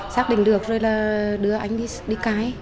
xác định được rồi là đưa anh đi cái